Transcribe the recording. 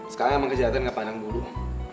sekarang emang kejahatan ga pandang burung